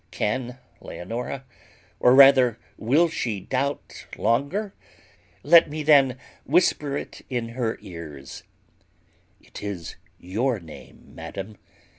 Can Leonora, or rather will she, doubt longer? Let me then whisper it in her ears It is your name, madam.